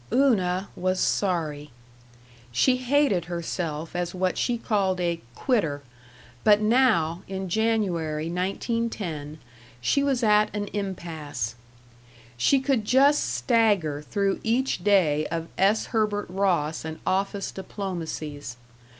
§ 2 Una was sorry. She hated herself as what she called a "quitter," but now, in January, 1910, she was at an impasse. She could just stagger through each day of S. Herbert Ross and office diplomacies.